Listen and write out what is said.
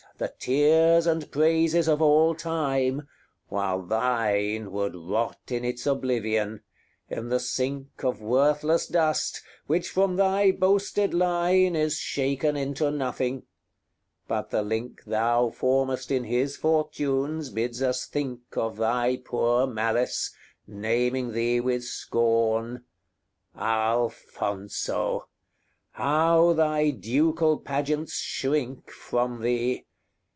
The tears and praises of all time, while thine Would rot in its oblivion in the sink Of worthless dust, which from thy boasted line Is shaken into nothing; but the link Thou formest in his fortunes bids us think Of thy poor malice, naming thee with scorn Alfonso! how thy ducal pageants shrink From thee!